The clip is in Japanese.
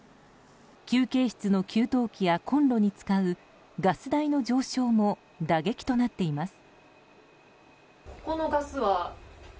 休憩室の給湯器やコンロに使うガス代の上昇も打撃となっています。